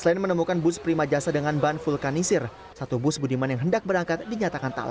selain menemukan bus primajasa dengan ban vulkanisir satu bus budiman yang hendak berangkat dinyatakan tak layak jalan